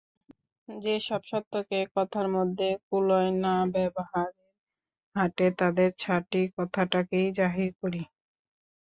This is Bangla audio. যে-সব সত্যকে কথার মধ্যে কুলোয় না ব্যবহারের হাটে তাদেরই ছাঁটি, কথাটাকেই জাহির করি।